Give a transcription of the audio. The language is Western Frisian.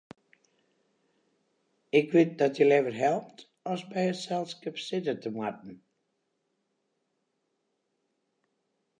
Ik wit dat hja leaver helpt as by it selskip sitte te moatten.